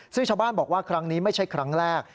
ซึ่งชาวบ้านบอกว่าครั้งนี้ไม่ใช่ครั้งแรก